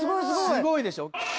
すごいでしょ？